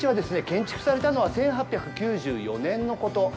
建築されたのは１８９４年のこと。